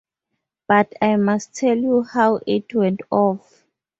But I must tell you how it went off.